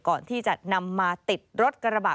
ก่อนที่จะนำมาติดรถกระบะ